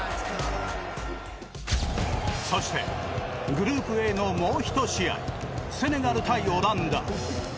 そして、グループＡのもう１試合セネガル対オランダ。